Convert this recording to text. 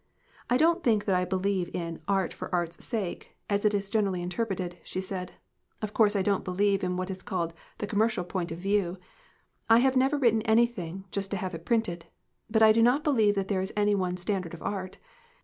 "I don't think that I believe in 'art for art's sake,' as it is generally interpreted," she said. "Of course, I don't believe in what is called the commercial point of view I have never written anything just to have it printed. But I do not believe that there is any one standard of art.